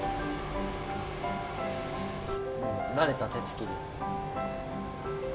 慣れた手つきで。